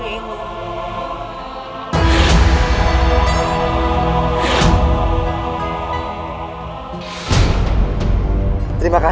dan menghu tigra